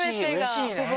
うれしいね！